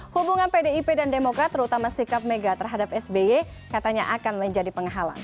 hubungan pdip dan demokrat terutama sikap mega terhadap sby katanya akan menjadi penghalang